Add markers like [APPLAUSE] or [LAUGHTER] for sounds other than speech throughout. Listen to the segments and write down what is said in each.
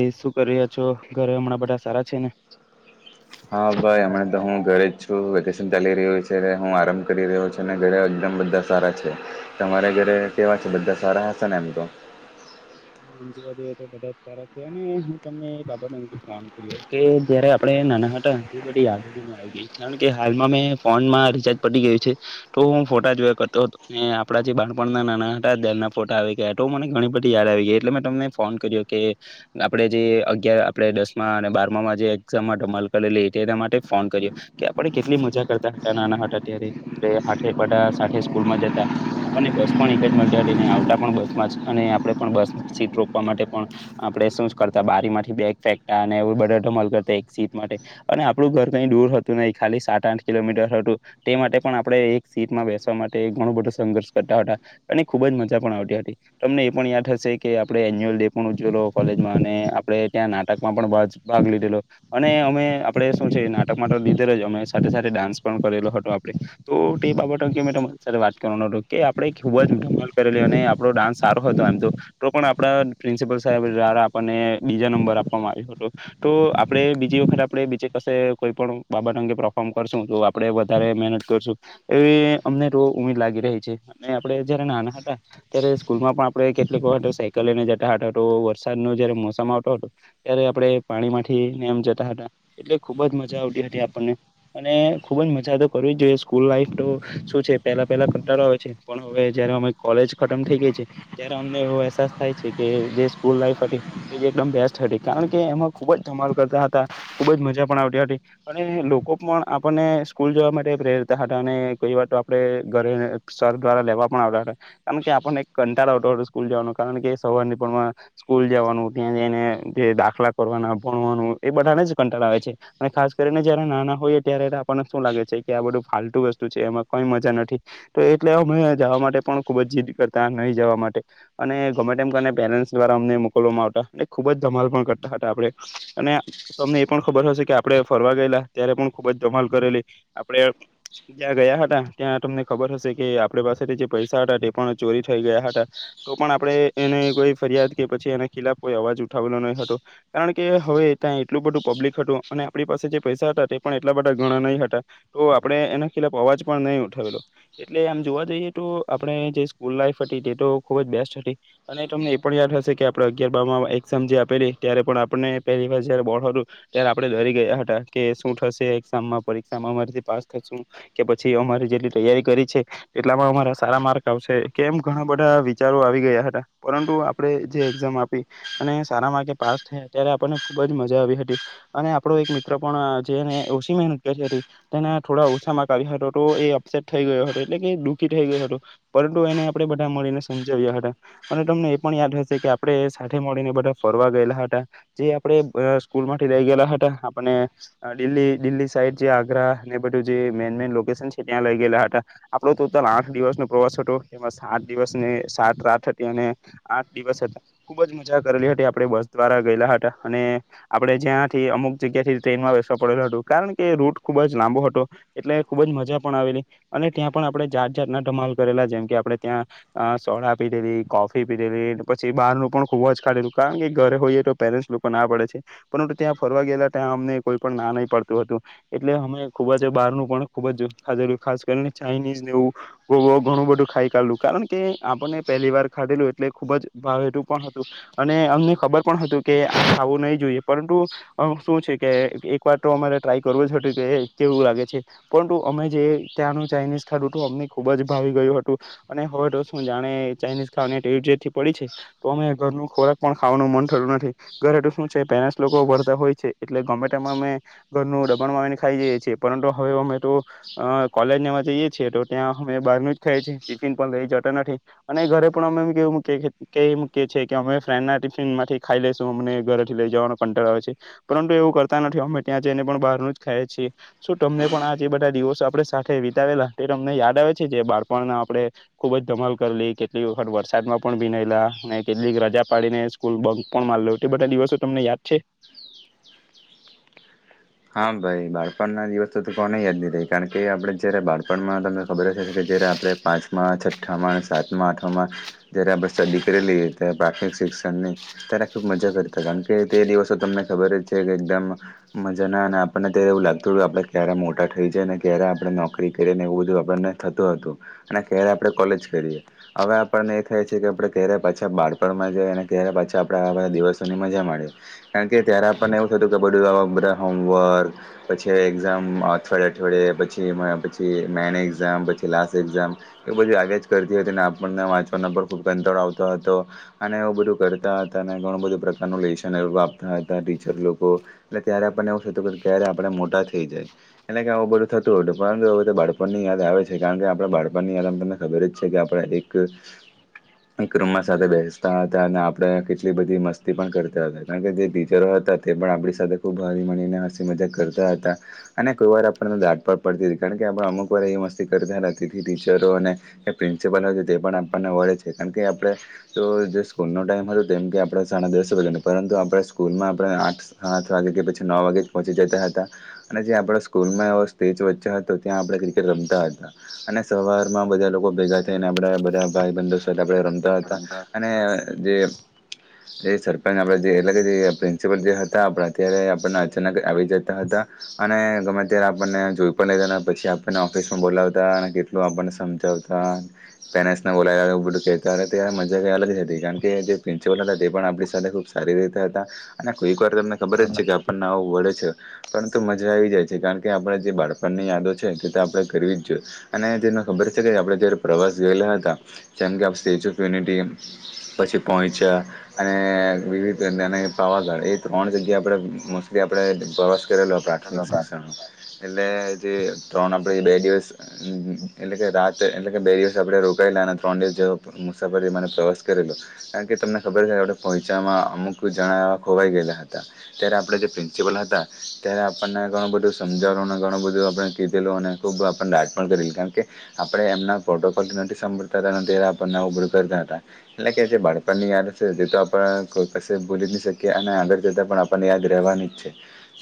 ઈ શું કરી રહ્યા છો ઘરે હમણાં બધા સારા છે ને. હા ભાઈ હમણા તો હું ઘરે જ છું વેકેશન ચાલી રહ્યું છે હું આરામ કરી રહ્યો છું ને ઘરે બધા સારા છે તમારે ઘરે કેવા છે બધા સારા હશે ને એમ તો [INAUDIBLE] જોવાઈએ તો બધા સારા છે અને હું તમને એ બાબત અંગ ફોન કરી્યો કે જયારે આપણેે નાના હતા એ બધી યાદો મને આવી ગઈ કારણ કે હાલમાં મેં ફોનમાં રિચાર્જ પડી ગયું છે તો હું ફોટા જોયા કરતો હતો ને આપડા થી બાણપણ ના નાના હતા ફોટા આવી ગયા હતા હ મને ઘણી બધી યાદ આવી ગઈ. એટલે મેં તમને ફોન કર્યો કે આપે જે અગિયાર આપણે દસ અને બારમામાં જે એક્ઝામમાં તમા લ એના માટે ફોન કર્યો કે આપડે કેટલી મજા કરતા હતા નાના હતા ત્યારે હાથે બાદા સાથે સ્કૂલમાં જતા આપને બસ પણ એક જ મળને આવતા પણ બસમાં અને આપે પણ બસ સીટ રોપવા માટે પણ આપડે શું જ કરતા બારી માંથી બેગ ફેંકતા અને એવું બા ઢમલ કરતા એક સીટ અને આપડું ઘર કઈ દૂર હતું નહી ખાલી સાત આઠ કિલોમીટર હતું તે માટે પણ આપણે એક સીટ મા બેસવા માટે ઘણો બધો સંઘર્ષ કરતા હતા અને ખુબ જ મજા પણ આવતી હતી તમને એ પણ યાદ હશે કે આપણે એન્યુઅલ ડે પણ ઉજલો કોલેજમાં અને આપડણે ત્યાં નાટક માં પણ ભાગ લીધેલો અને અમે આપડણે શું છે નાટક નાટકમા તો લીધેલો જ અમે સાથે સાથે ડાન્સ પણ કરેલો હતો આપે તો તે બાબત કે મેં તમારી સાથે વાત કરવા અતો કે આપડે ખુબજ ધમાલ કરેલી અને આપડો ડાન્સ સારો હતો એમ તો. તો પણ આપ પ્રિન્સિપલ સાહેબ દ્વારા આપણને બીજા નંબર આપવામાં આવ્યો હતો તો આપડે બીજી વખત આપને બીજે કસે કોઈ પણ બાબત અંગે પરફોર્મ કરશું તો આપડે વધારે મહેનત કરશું એવી અમને ર ઉમીર લાગી રહી છે અને આપડે જયારે નાના હતા ત્યારે સ્કૂલ માં પણ આપડે કેટલીક વખત સાયકલ લઈને જતા હતા હતો વરસાદ ન જયારે મોસમ આવતો હતો ત્યારે આપણે પાણી માંથીને એમ જતા હતા. એટલે ખુબ જ મજા આવતી હતી આપણને અને ખુબ જ મજા તો કરવી જ જોઈએ સ્કૂલ લાઈફ તો શું છે પેહલા પેલા કંટાળો આવે છે પણ હવે જયારે અમારી કોલેજ ખતમ થઇ ગઈ છે ત્યારે અમને એવો એહસાસ થાય છે કે જે સ્કૂલ લાઈફ હતી એ જે એકદમ બેસ્ટ હતી કારણ કે એમાં ખુબ જ ધમાલ કરતા હતા. ખુબ જ મજા પણ આવતી હતી અને લોકો પણ આપણને સ્કૂલ જવા માટે પ્રેરતા હતા અને કઈ વાત આપણે ઘરે સર કારા લેવા પણ આવ્યા હતા કારણ કે આપણને એક કંટાળ આવતો હતો સ્કૂલ જવાનો. કારણ કે સવારની પણ સ્કૂલ જવાનું ત્યાં જઈને જે દાખલા કરવાના ભણવાનું એ બધા ટાળ આવે છે ખાસ કરીને જય નાના હોયએ ત્યારે આપણને શું લાગે છે કે આ બધું ફતુ વસ્તુ છે એ કઈ મજા નથી તો એટલે અમે જવા માટે પણ ખુબ જ જીદ કરતા નહી જવા માટે અને ગમે તેમમ પેરેન્ટ્સ દ્વારા અમને મોકલવામાં આવતા એલે ખુબ જ ધમાલ પણ કરતા હતા આપણે અને તમને એ પણ ખબર હશે કે આપડે ફરવા ગયેલા ત્યારે પણ ખુબ જ જમાલ કરેલી આપડણે જ્યાં ગયા હતા ત્યાં તમને ખબર હશે કે આપે પાસેથી જે પૈસા હતા તે પણ ચોરી થઈ ગયા હતા તો પણ આપણે એને કોઈ ફરિયાદ કે પછી એના ખિલા કોઈ અવાજ ઉઠાવેલો નહી હતો કારણ કે હવે એટલું બધું પબ્લિક હતું અને આપણી પાસે જે પૈસા હતા તે પણ એટલા બધા ગણા નહીં હતા તો આપણે એના ખ અવાજ પણ નહી ઉઠાવલો એટલે આમ જોવા જઈએ તો આપણે જે સ્કૂલ લાઈફ ખુબ જ બેસ્ટ હતી અને તમને એ પણ યાદ હશે કે આપણે અગિયાર બારમાં એક્ઝામ જે આપેલી ત્યારે પણ આપને પલી જારે બોર્ડ ત્યારે આપડે ડરી ગયા હતા કે શું થશે એામમાં પરીક્ષા અમારીથી પાસ થ કે પછી અમારે જેટલી તૈયારી કરી છે એટલામાં અમારા સારા માર્ક આવશે કેમ ઘણા બધા વિચારો આવી ગયા હતા પરંતુ આપણે જે એક્ઝામ આપી અને સારા માર્કે પાસ થયા ત્યારે આપને ખબ જ મજા આવી હતી અને આપડો એક મિત્ર પણ જેને ઓછી મહેનત કરી હતી તેના થોડા ઓછા હતો તો એ અપસેટ થઈ ગયો હતો એટલે કે દુઃખી થઈ ગય હતું પરંતુ એને આપણે બધા મળીને સમજ્યા હતા અને તમને એ પણ યાદ હશે કે આપણે સાથે મળીને બધા ફરવા ગયેલા હતા જે આપ આપ સ્કૂલ માંથી રઈ ગયેલા હતા આપણે દિલ્ દિલ્હી સાઈડ જે આગ્રા ને બધું જે મેન મેન લોકેશન છે ત્યાં લઈ ગયેલા હતા આપણો ટોટલ આઠ દિવસનોો પ્રવાસ હતો એ સાત દિવસને સાત રાત હતી અને આઠ દિવસ હતા ખુબ જ મજા કરેલી હતી આપે બસ દ્વારા ગયેલા હતા અને આપણે જ્યાંથી અમુક જગ્યાથી ટ્રેનમાં વ બેસવા પડેલો હતું કારણ કે રૂટ ખુબ જ લાંબો હતો ખુબ જ મજા પણ આવેલી અને ત્યાં પણ આપડણે જાત જાતના ધમાલ કરેલા જેમ કે આપણે ત્યાં સોડા પીધેલી કોફી પીધેલી પછી બારું પણ ખુબ જ ખાઢેલું કારણ કે ઘરે હોઈએ તો પેરેન્ટ્સ લોકો ના પડે છે પરુ ત્યાં ફરવા ગયેલા ત્યાં અમને કોઈ પણ ના નહી પડતું હતું એટલે અમે ખુબ જ બારનું પણ ખુબ જ ખ ખાસ કરીને ચાાઈનીઝવું ગોવો ઘણું બધું ખાઈ કાઢું કારણ કે આપણને પહેલી વાર ખાધેલું એટલે ખુબ જ ભાવેટું પણ હતું અને અમને ખબર પણ હતું કે આવું નહી જોઈએ પરંતુ શું છે કે એક વાર તો અમારે ટ્રાય કરવો જ કે કેવું લાગે છે પરંતુ અમે જે ત્યાંનું ચાઇનીઝ ખાધુ હતું અમને ખુબ જ ભાવી ગયું હતું અને હવે તો જાણે ચઇઝવાથી પડી છે તો અમે ઘર ખોરાક પણ ખાવાનું મન થું નથી લોકો વતા હોય છે એલેમે અમે ઘરનું દબાણમાંને ખાઈ જઈએ છીએ હવે અમે તો કોલેજમાં જઈએ છીએ તો ત્યાં અમે બહાર ન જ ખાયએ છીએ ટિફિન પણ લઈ જ અને ઘરે પણ અમે કેવ મએ મકીએ છી કે અમે ફ્રેન્ડ ના ટિફિન માંથી ખાઈ લેશું ઘરેથી લઈ જવા કટ આવે છે પરંતુ એવું કરતા નથી અમે ત્યાંને પણ બહાર ન જ ખએ છીએ તમને પણ આ જે બધા દિવસો આપણે સાથે વિતાવેલા એ તમને યાદ આવે છે જે બાળપણના આપણે ખૂબ જ ધમાલ કરલી કેટલીક વખત વરસાદમાં પણ ભીનેયલા ને કેટલીક રજા પાડીને સ્કૂલ બંક પણ મા બધા દિવસો તમને યાદ છે હા ભાઈ બાળપણ ના દિવસ તો કોને યાદ નહી ર કારણ કે આપડે જયારે બાળપણમાં તને ખબર હશે કે આપણે પાંચમાં છઠ્ઠામાં સાત આઠમાં જયારે આપણે સ્ટડી કરી લઈએ ત્યારે પ્રાથમિક શિક્ષણ ત્યારે ખબ મજા કરતા કારણ કે તે દિવસો તમને ખબર જ છે કે એકદમ જેના અને આપણને ત્યારે એવું લાગતું હત કે આપણે ક્યારે મોટા થઈ જાય ને ક્યારે આપણે નોકરી કરીએ ને એવું બધું આપણને ્યારે આપ કોલેજ કરી હવે આપને એ થાય છે કે આપ ક્યારે પાછા બળપણમાં ત પાછી આપડે દિવસોની મજા મળ કારણ કે ત્યારે આપણને એવું થતું કબડ હોમવર્ક પછી એક્ઝામ અઠવાડિયા અઠવાડિયે પછી પછી મેન એક્ઝામ પ લ એઝામ એ બધી આવ્યા જ કરતી હતી આપણને વાંચવાનો પણ ખુબ કંતર આવતો હતો અને બધું કરતા હતા ઘણું બધું પ્રકાર ન લેશન આપતા હતા ટીચર લોકો એલે ત્યારે ને એવું થતું ક્યારે આપે મોટા થઈ જાય એટ કે આવું બધું થતું હતું પરંતુ હવે તો બાળપણ ની યાદ આવે છે કારણ કે આપણા બાળપણની આગ તમને ખબર જ છે કે આપડ એક એક રૂમમાં સાથે બેસતા હતા અને આપણે કેટલી બધી મસ્તી પણ કરતા હતા કારણ કે જે ટીચરો હતા પણ આપણી સાથે ખૂબ રી મને હસી મજા કરતા હતા અને કોઈ વાર આપને દાટ પા પડતી હતી કારણ કે આપ અમુક વાર એસ્ત કર તેથી ટીચરો અને પ્રિન્સિપલ છે તે પણ આપણને વળે છે કારણ કે આપણે જે સ્કૂલ નો ટાઈમ હતો તેમમ કે આપણે સાડા દસ વાગ્યા પરંતુ આપણે સ્કૂલ માં આપણે આઠ સાત વાગે કે પછી નો વાગે પહંચી જતા હતા અને જે આપ સ્કૂલમાં એ સ્ટેજ વચ્ચે હતો ત્યાં આપણે ક્રિકેટ રમતા હતા. અને સવારમાં બધા લોકો ભેગા થઈને આપડા બધા ભાઈ બંધો સાથે આપ રમતા હતા અને જે સરપંચ આપ જે એટગ જે પ્રિન્સિપલ જે હતા આપણા અત્યારે આ આપ અચાનક આવી જતા હતા અને ગમે ત્યારે આપણને જોઈ પણ લેતા પછી આપણને ઓફિસમાં બોલા [UNINTELLIGIBLE] કેટલું આપણને સમજાવતા પેનેસને બોલાયા એવું બધુંકહતા હતા ત્યારે મજા અલગ જ હતી કારણ કે જે પ્રિન્સિપલ હતા તે પણ આપણી સાથે ખૂબ સારી રીતા હતા અને કોઈક વાર તમને ખબર જ છે કે નાઓ વળે છે પરંતુ મજા આવી જાય છે કારણ કે આપણે જે બાળપણની યાદો છે તે તો આપણે ગરવી જો અને તેને ખબર છે કે આપણે જ્યારે પ્રવાસ ગયેલા હતા જેમ કે આપણે સ્ટેચ્યુ ઓફ યુનિટી પછી પહોંચા અને વિવિધ અને પાવાગઢ એ ત્રણ જગ્યા આપણે મસ્ત થી આપણે પ્રવાસ કરેલો પ્રાથમિક શિક્ષણનો એટલે જે ત્રણ આપડે બે દિવસ એટલે કે રાત એટલે કે બે દિવસ આપણે રો કાએલા અને ત્રણ દિવસ જેવ મુસાફરી મને પ્રવાસ કરેલો કારણ કે તમને ખબર છે કે આપણે પહોંચામાં અમુક જણાવા ખોવાઈ ગયેલા હતા ત્યારે આપણે જે પ્રિન્સિપલ હતા ત્યારે આપણને ઘણું બધું સમજાવું અને ઘણું બધું આપણે કીધેલું અને ખુબ આપા કારણ કે આપણે એમના પ્રોટોકોલ નથી સાભળતા ત્યારે આપણ ને આવું બધું કરતા હતા એટલે કે જે બાળપણ ની યાદ હશે તે તો આપણા કોઈ ક ભૂલી નહી શકીએ અને આગળ જતાં પણ આપણને યાદ રહેવાની.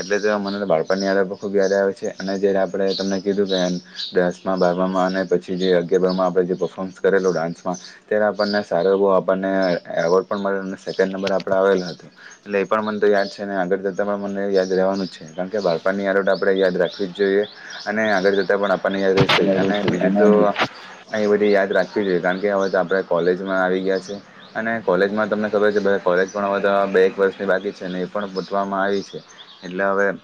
એટલે તો મને બાળપણની આ ખુબખુબ યાદ આવે છે અને જ આપણે તમને કીધું કે દસમાં બારમાં અને પછી જે અગિયારમાં આપણે જે પરર્ફોર્મન્સ કરેલું ડાન્સમાં ત્યારે આપણને સારો એ બહો આપ બને એવોર્ડ પણ મળ્યો સેકન્ડ નંબર આપણે આવેલા એટલે એ પણ મને તો યાદ છે ને આગળ જ તા પણ મને યાદ રહેવાનું જ છે કારણ કે બાળપણની આડટ આપણે યાદ રાખવી જ જોઈએ અને આગળ જતાં પણ આપણે પણ યાદી છે અને બીજું તો આમ એ બધી યાદ રાખવી જોઈએ કારણ કે હવે તો આપણે કોલેજમાં આવી ગયા છે અને કોલેજમાં તમને ખબર છે કોલેજ પણ હવે તો બે એક વર્ષની બાકી છે ને એ પણ પતવા મ એટલે હવે એ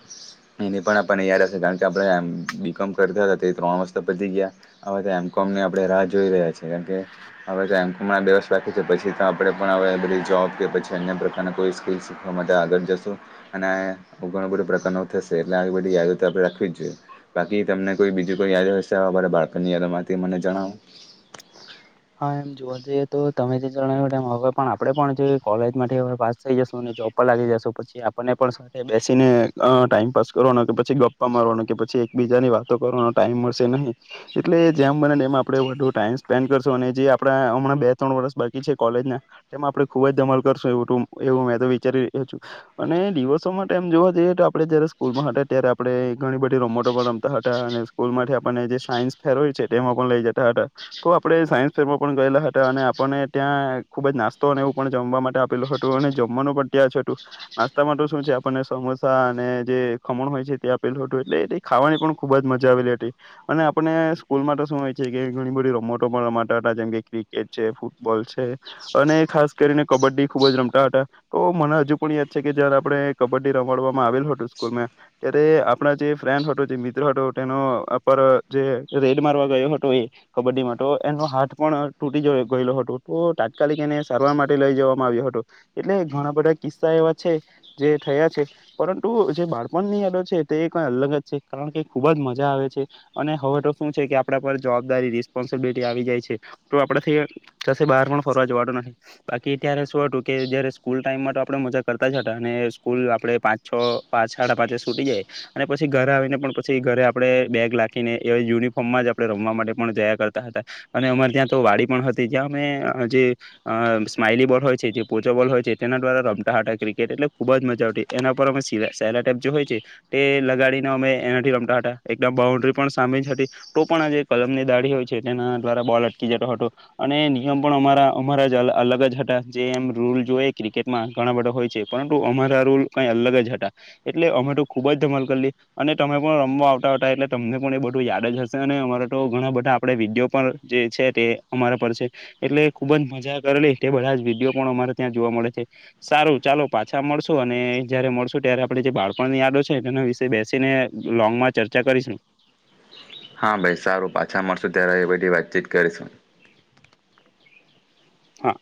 પણ આપને યાદ હશે કારણ કે આપ બીકોમ કરતા હતા તે ત્રણ મસ્ત પતી ગયા હવે તો એમ કોમને આપણે રાજ જોઈ રહ્યા છે કારણ કે આપવે એમમણા બે વર્ષ બાકી છે પછી તો આપણે પણ હવે બધી જોબ કે પછી અન્ય પ્રકારની કોઈ સ્કીલ શીખવા માટે આગળ જશો. અને આ ઘણું બધું પ્રકારરણ થશે એટલે આવી બધી યાદતો આપણે રાખવી જ જોઈએ. બાકી તમને કોઈ બીજું કોઈ યાદ હશે અમારા બાળપણ ની યાદ માંથી મને જણાવું. હા એમ જોવા જઈએ તો તમે જે જણાવ્યું ટમ હવે પણ આપણેે પણ જે કોલેજ માં થી હવે પાસ થઈ જશું અને જોબ પર લાગી જશું પછી આપ આપને પણ સાથે બેસીને અ ટાઈમપાસ કરવાનો કે પછી ગપ્પા મારવાનો કે પછી એકબીજાની વાતો કરો ટાઈમ મળશે નહીં એટલે જેમ બને તેમ આપણે વધુ ટાઈમ સ્પેન્ડ કરશુ અને જે આપડા હમણાં બે ત્રણ વર્ષ બાકી છે કોલેજ ના તેમાં આપડે ખુબ જ ધમાલ કરશો એવ એવું મે વિચારી લીધું છે અને દિવર્સો માટેઆમ જોવા જઈએ તો આપ જયારે સ્કૂલમાં ત્યારે આપણે ઘણી બધી [UNINTELLIGIBLE] માં રમતા હતા અને સ્કૂલમાંથી આપણને જે સાયન્સ ફેર હોય છે તેમાં પણ લઈ જતા હતા તો આપણે સાયન્સ ફેરમમાં પણ ગયેલા હતા અને આપણને ત્યાં ખૂબ જ નાસ્તો અને એવું પણ જમવા માટે આપેલું હતું અને જમવાનું પણ ત્યાંજ હટું નાસ્તામાં શું છે આપણને સમોસા અને જે ખમણ હોય છે તે આપેલું હતું. એટલે એ ખાવાની પણ ખુબ જ મજા આવેલી હતી અને આપને સ્કૂલમાં શું હોય છે કે ઘણી બધી રમત રમાડતા હતા જેમ કે ક્રિકેટ છે, ફૂટબોલ છે, અને ખાસ કરીને કબડ્ડી ખુબ જ રમતા હતા. તો મને હજુ પણ યાદ છે કે જયારે આપણે કબડ્ડી રમાડવામાં આવેલ હતું સ્કૂલમાં ત્યારે આપણા જે ફ્રેન્ડ હતો જે મિત્ર હતો તેનો અપર જે રેડ મારવા ગયો હતો એ કબડ્ડી મા તો એનો હાથ પણ તૂટીયો ગયેલો હતો તો તાત્કાલિક એને સારવાર માટે લઈ જવામાં આવ્યો હતો. એટલે ઘણા બધા કિસ્સા એવા છે જે થયા છે પરંતુ જે બાળપણની યાદો છે તે એક અલગ જ છે કારણ કે ખુબ જ મજા આવે છે અને હવે તો શું છે કે આપણા પર જવાબદારી રિસ્ પોન્સીબિલિટી આવી જાય છે તો આપડે કશે બહાર પણ ફરવા જવાડું નથી બાકી અત્યારે શું હતું કે જયારે સ્કૂલ ટાઈમ માટે આપણે મજા કરતા જ હતા અને સ્કૂલ આપણે પાંચ છ પાંચ સાડા પાંચે છૂટી જાય. અને પછી ઘરે આવીને પણ પછી ઘરે આપડણે બેગ લખીને એ યુનિફોર્મમાં જ આપણે રમવા માટે પણ જયા કર હતા અને અમારે ત્યાં તો વાડી પણ હતી જ્યાં અમે જે સ્માઈલી બોર્ડ હોય છે જે પોચો ક હોય છે તેના દ્વારા રમતાટ ક્રિકેટ એટલે ખુબ જ મજા આવટી એના ઉપર [UNINTELLIGIBLE] હોય છે તે લગાડીને અમે એનાથી રમતા હતા એકદમ બાઉન્ડ્રી પણ સાંભળ હતી તો પણ આજે કલમની દાઢી હોય છે તેના દ્વારા બોલ અટકી જતો હતો અને નિયમ પણ અમારા અમારા અલગ જ હતા જે એમ ર જો ક્રિકેટમાં ઘણા બધા હોય છે પરંતુ અમારા રૂલ કઈ અલગ જ હતા એટલે અમે તો ખુબ જ અને તમે પણ રમવા આવતા હતા એટલે તમને પણ એ બધું યાદ જ હશે અને અમારા તો ઘણા બધા આપ વિડીયો પણ જે છે તે અમારા પર છે એટલે ખુબ જ મજા કરેલી તે બધા જ વિડીયો પણ ત્યાં જોવા મળે છે સારું ચાલો પાછા મળશો અને જયારે મળશો ત્યારે આપડે જે બાળપણ ની યાદો છે વિશે બેસીને લોંગ માં ચર્ચા કરીશું હા ભાઈ સારું પાછા મળશું ત્યારે એ બધી વાતચીત કરીશું હા